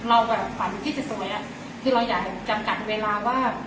เราแบบฝ่าหน้าที่จะสวยอ่ะคือเราอยากที่การกัดเวลาว่า